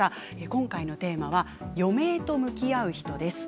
今回のテーマは余命と向き合う人です。